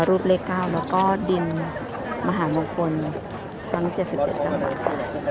รูปเลขเก้าแล้วก็ดินมหาบุคคลตั้งจากสิบเจ็ดจังหวัด